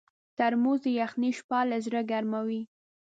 ترموز د یخنۍ شپه له زړه ګرمووي.